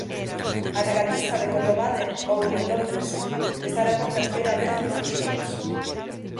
A regatista de Cotobade, ouro en Londres, estará por terceira vez nuns xogos.